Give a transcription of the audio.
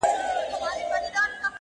خو قانون د سلطنت دی نه بدلیږي،